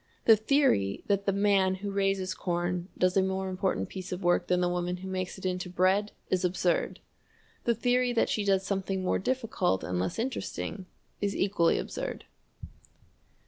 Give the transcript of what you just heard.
The theory that the man who raises corn does a more important piece of work than the woman who makes it into bread is absurd. The theory that she does something more difficult and less interesting is equally absurd.